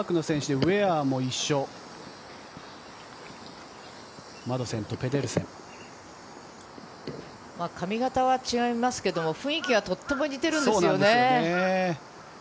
ウエアも髪形は違いますけど、雰囲気はとっても似ているんですよね。